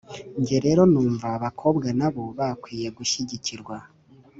Nge rero numva abakobwa na bo bakwiye gushyigikirwa